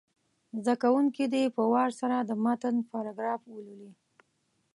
زده کوونکي دې په وار سره د متن پاراګراف ولولي.